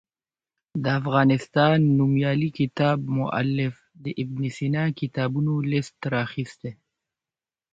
د افغانستان نومیالي کتاب مولف د ابن سینا کتابونو لست راخیستی.